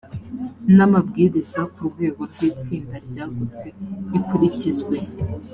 n’amabwiriza ku rwego rw’itsinda ryagutse bikurikizwe